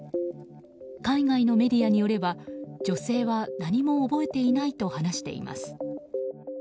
海外のメディアによれば女性は何も覚えていないと話しています。